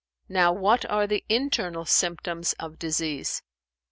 now what are the internal symptoms of disease?"